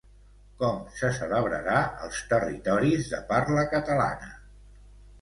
Com se celebrarà als territoris de parla catalana?